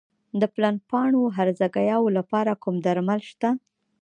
د پلن پاڼو هرزه ګیاوو لپاره کوم درمل شته؟